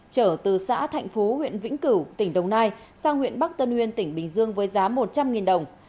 trở từ xã thạnh phú huyện vĩnh cửu tỉnh đồng nai sang huyện bắc tân uyên tỉnh bình dương với giá một trăm linh đồng